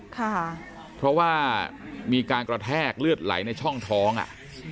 ค่ะเพราะว่ามีการกระแทกเลือดไหลในช่องท้องอ่ะ